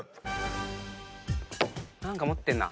何か持ってるな。